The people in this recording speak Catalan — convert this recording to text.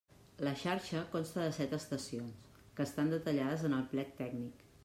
La xarxa consta de set estacions, que estan detallades en el plec tècnic.